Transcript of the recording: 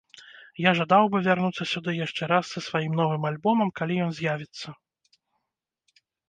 Я жадаў бы вярнуцца сюды яшчэ раз са сваім новым альбомам, калі ён з'явіцца.